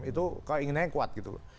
itu kalau inginnya kuat